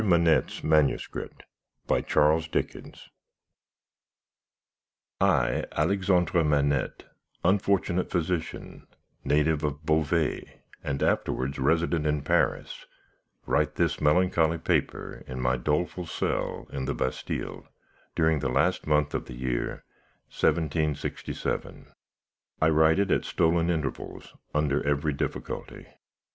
MANETTE'S MANUSCRIPT" By CHARLES DICKENS I, Alexandre Manette, unfortunate physician, native of Beauvais, and afterwards resident in Paris, write this melancholy paper in my doleful cell in the Bastille, during the last month of the year, 1767. I write it at stolen intervals, under every difficulty.